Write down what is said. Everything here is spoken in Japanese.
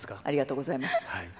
ありがとうございます。